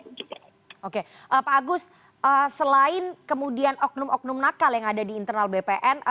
pak agus selain kemudian oknum oknum nakal yang ada di internal bpn